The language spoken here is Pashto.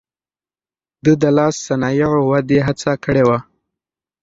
ده د لاس صنايعو ودې هڅه کړې وه.